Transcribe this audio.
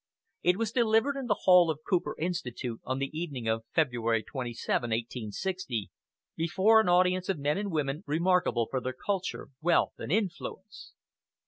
It was delivered in the hall of Cooper Institute, on the evening of February 27, 1860, before an audience of men and women remarkable for their culture, wealth and influence.